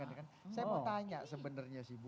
saya mau tanya sebenarnya sih bu